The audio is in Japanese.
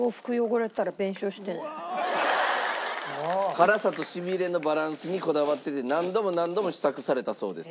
辛さとしびれのバランスにこだわってて何度も何度も試作されたそうです。